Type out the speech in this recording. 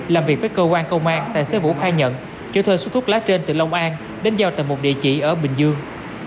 làm việc với cơ quan công an tài xế vũ khai nhận chở thuê số thuốc lá trên từ long an đến giao tại một địa chỉ ở bình dương